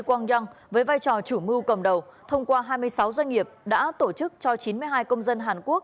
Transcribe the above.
quang yung với vai trò chủ mưu cầm đầu thông qua hai mươi sáu doanh nghiệp đã tổ chức cho chín mươi hai công dân hàn quốc